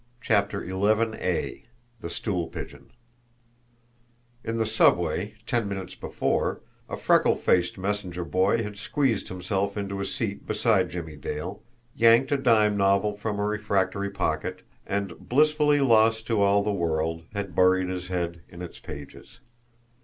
CHAPTER XI THE STOOL PIGEON In the subway, ten minutes before, a freckled faced messenger boy had squeezed himself into a seat beside Jimmie Dale, yanked a dime novel from a refractory pocket, and, blissfully lost to all the world, had buried his head in its pages.